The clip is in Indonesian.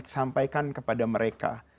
sampaikan kepada mereka